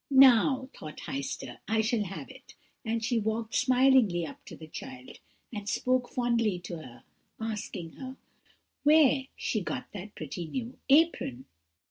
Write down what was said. "'Now,' thought Heister, 'I shall have it;' and she walked smilingly up to the child, and spoke fondly to her, asking her, 'where she got that pretty new apron?'